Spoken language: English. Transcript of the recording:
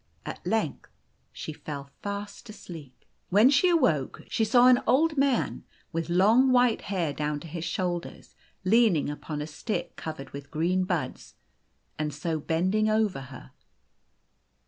At length she fell fast asleep. When she awoke, she saw an old man with long white hair down to his shoulders, leaning upon a stick covered with green buds, and so bending over her.